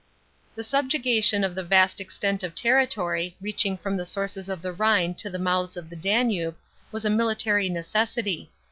§ 13. Trie subjugation of the vast extent of territory, reaching from the sources of the Rhine to the mouths of the Danube, was a military necessity.